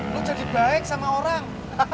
lo jadi baik sama orang